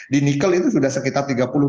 di nikel itu sudah sekitar tiga puluh juta usd